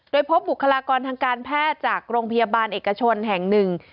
โดยพบบุคลากรทางการแพทย์จากโรงพยาบาลเอกชนแห่งหนึ่ง